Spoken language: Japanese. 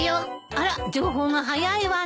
あら情報が早いわね。